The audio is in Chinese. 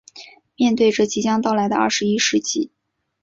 面对着即将到来的二十一世纪